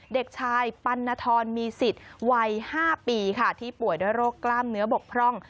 เด็กชายปัณฑรมีสิทธิ์วัย๕ปีค่ะที่ป่วยด้วยโรคกล้ามเนื้อบกพร่อง